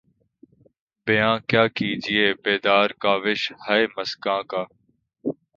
بیاں کیا کیجیے بیداد کاوش ہائے مژگاں کا